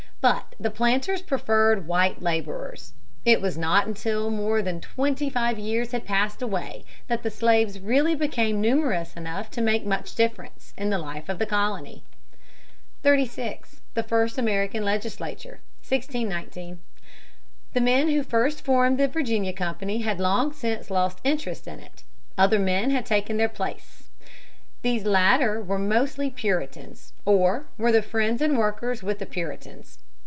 But the planters preferred white laborers. It was not until more that twenty five years had passed away that the slaves really became numerous enough to make much difference in the life of the colony. [Sidenote: Sir Edwin Sandys.] [Sidenote: The first American legislature, 1619.] 36. The first American Legislature, 1619. The men who first formed the Virginia Company had long since lost interest in it. Other men had taken their places. These latter were mostly Puritans (p. 29) or were the friends and workers with the Puritans.